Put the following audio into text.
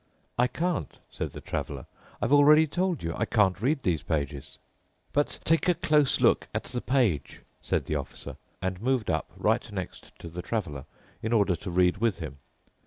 "I can't," said the Traveler. "I've already told you I can't read these pages." "But take a close look at the page," said the Officer, and moved up right next to the Traveler in order to read with him.